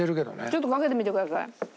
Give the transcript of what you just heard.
ちょっとかけてみてください。